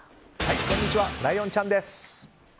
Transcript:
こんにちはライオンちゃんです。